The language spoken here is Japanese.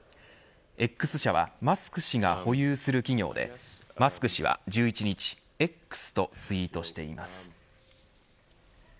Ｘ社はマスク氏が保有する企業でマスク氏は１１日Ｘとツイートしています。